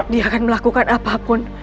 dia akan melakukan apapun